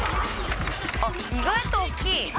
あっ、意外と大きい。